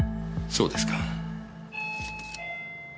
そうですか。